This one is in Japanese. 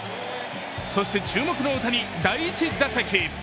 そして注目の大谷、第１打席。